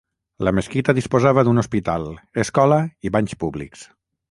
La mesquita disposava d'un hospital, escola i banys públics.